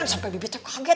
sampai bibi cek kaget